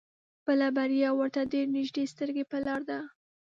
بله بريا ورته ډېر نيږدې سترګې په لار ده.